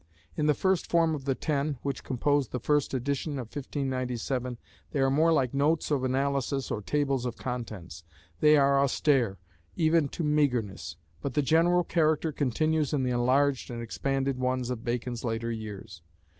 In the first form of the ten, which composed the first edition of 1597, they are more like notes of analysis or tables of contents; they are austere even to meagreness. But the general character continues in the enlarged and expanded ones of Bacon's later years.